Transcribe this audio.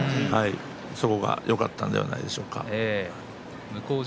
そこがよかったんじゃないでしょうか。